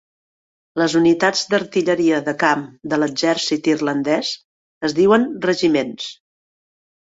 Les unitats d'artilleria de camp de l'exèrcit irlandès es diuen regiments.